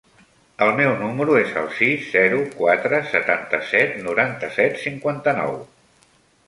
El meu número es el sis, zero, quatre, setanta-set, noranta-set, cinquanta-nou.